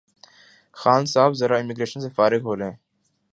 خان صاحب ذرا امیگریشن سے فارغ ہولیں